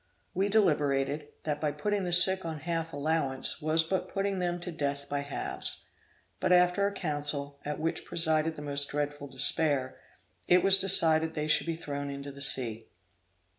We deliberated, that by putting the sick on half allowance was but putting them to death by halves: but after a counsel, at which presided the most dreadful despair, it was decided they should be thrown into the sea.